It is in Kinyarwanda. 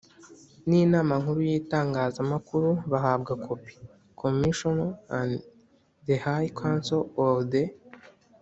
n Inama Nkuru y Itangazamakuru bahabwa kopi Commission and the High Council of the